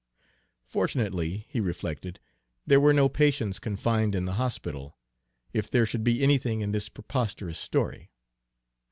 Fortunately, he reflected, there were no patients confined in the hospital, if there should be anything in this preposterous story.